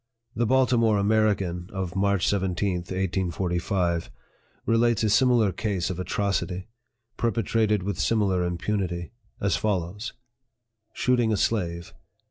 The Baltimore American, of March 17, 1845, relates a similar case of atrocity, perpetrated with similar impunity as follows: "Shooting a Slave.